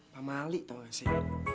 kamu tahu gak sih